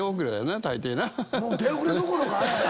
もう手遅れどころか。